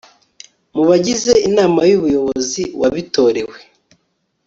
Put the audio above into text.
mu bagize inama y'ubuyobozi wabitorewe